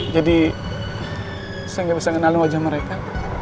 jadi saya gak bisa kenalin wajah mereka